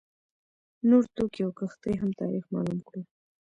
نور توکي او کښتۍ هم تاریخ معلوم کړو.